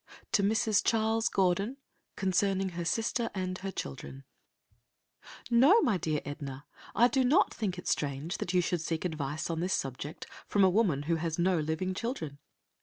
To Mrs. Charles Gordon Concerning Her Sister and Her Children No, my dear Edna, I do not think it strange that you should seek advice on this subject from a woman who has no living children.